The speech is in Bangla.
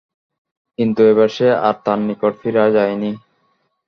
কিন্তু এবার সে আর তার নিকট ফিরে যায়নি।